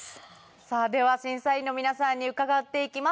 さぁでは審査員の皆さんに伺って行きます。